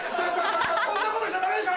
こんなことしちゃダメでしょ！